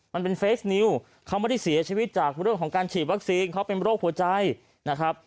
มันเป็นเฟคนิวเขาไม่ได้เสียชีวิตจากเรื่องของการฉีดวัคซีนเขาเป็นโรคหัวใจนะครับ